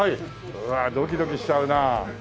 うわドキドキしちゃうな。